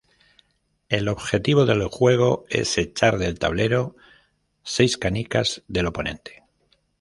El objetivo del juego es echar del tablero seis canicas del oponente.